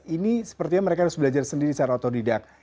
ini sepertinya mereka harus belajar sendiri secara otodidak